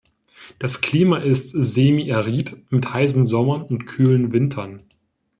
Das Klima ist semi-arid mit heißen Sommern und kühlen Wintern.